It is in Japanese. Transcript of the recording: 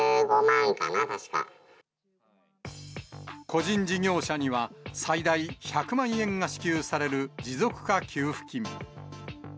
個人事業者には、最大１００万円が支給される持続化給付金。